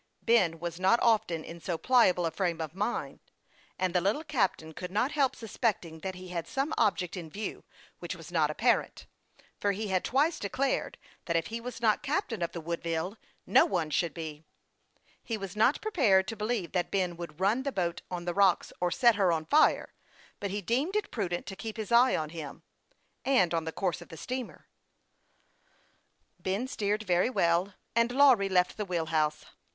Ben was not often in so pliable a frame of mind, and the little captain could not help suspecting that he THE YOUNG PILOT OF LAKE CHA51PLAIN. 267 had some object in view which was not apparent, for he had twice declared, that if he was not captain of the Woodville no one should be. He was not prepared to believe that Ben would run the boat on the rocks, or set her on fire ; but he deemed it prudent to keep his eye on him, and on the course of the steamer. Ben steered very well, and Lawry left the wheel house.